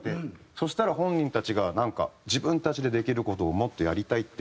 そしたら本人たちがなんか自分たちでできる事をもっとやりたいってなって。